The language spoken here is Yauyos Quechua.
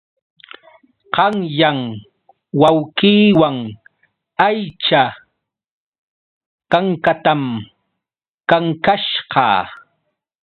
Qanyan wawqiiwan aycha kankatam kankasqa.